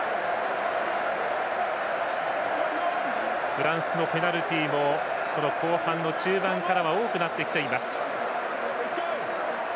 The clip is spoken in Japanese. フランスのペナルティーも後半の中盤からは多くなってきています。